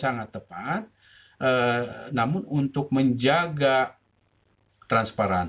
namun untuk menjaga transparan